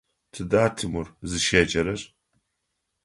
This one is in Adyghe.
Тыда Тимур зыщеджэрэр?